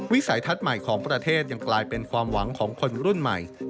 วิสัยทัศน์ใหม่ของประเทศยังกลายเป็นความหวังของคนรุ่นใหม่